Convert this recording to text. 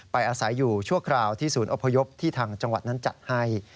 อาศัยอยู่ชั่วคราวที่ศูนย์อพยพที่ทางจังหวัดนั้นจัดให้